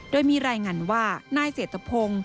โดยมีรายงานว่านายเสถพงฯ